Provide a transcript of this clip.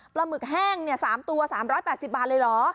ปล้ามึกแห้งเนี่ย๓ตัว๓๘๐บาทเลยหรอ